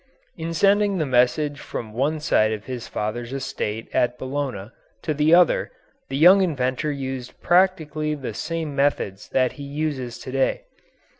In sending the message from one side of his father's estate at Bologna to the other the young inventor used practically the same methods that he uses to day.